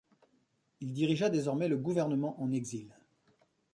Il dirigea désormais le gouvernement en exil.